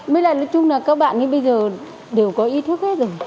mới lại nói chung là các bạn như bây giờ đều có ý thức hết